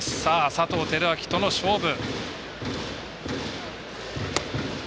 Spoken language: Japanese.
佐藤輝明との勝負。